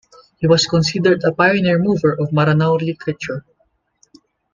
He was considered a pioneer mover of Maranao literature.